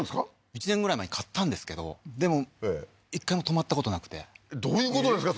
１年ぐらい前に買ったんですけどでも一回も泊まったことなくてどういうことですか？